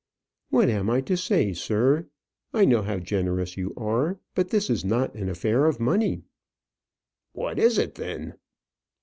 "What am I to say, sir? I know how generous you are; but this is not an affair of money." "What is it then?"